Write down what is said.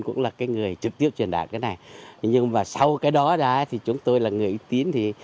cũng là người trực tiếp truyền đạt cái này nhưng mà sau cái đó ra thì chúng tôi là người ưu tín